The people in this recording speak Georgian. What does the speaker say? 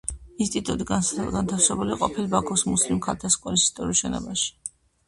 ინსტიტუტი განთავსებულია ყოფილ ბაქოს მუსლიმ ქალთა სკოლის ისტორიულ შენობაში.